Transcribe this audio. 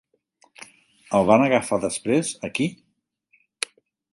El van agafar després, aquí?